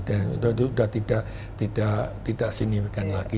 dan itu sudah tidak tidak tidak signifikan lagi